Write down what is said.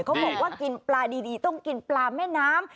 เขาบอกว่ากินปลาดีต้องกินปลาแม่น้ำ